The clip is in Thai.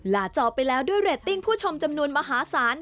จอไปแล้วด้วยเรตติ้งผู้ชมจำนวนมหาศาล